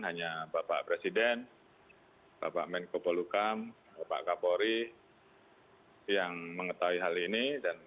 hanya bapak presiden bapak menko polukam bapak kapolri yang mengetahui hal ini dan